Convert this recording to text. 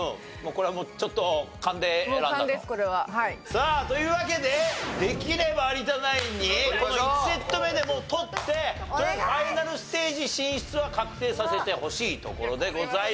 さあというわけでできれば有田ナインにこの１セット目でもう取ってとりあえずファイナルステージ進出は確定させてほしいところでございます。